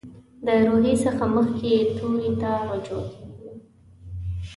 د روي څخه مخکې توري ته رجوع کیږي.